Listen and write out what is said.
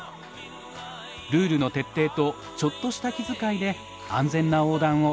ルールの徹底とちょっとした気遣いで安全な横断を。